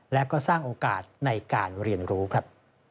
และก็สร้างโอกาสในการเรียนรู้ครับ